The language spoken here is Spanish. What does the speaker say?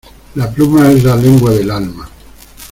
La pluma es la lengua del alma.